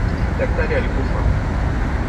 Daktari alikufa